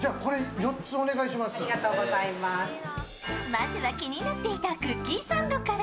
まずは気になっていたクッキーサンドから。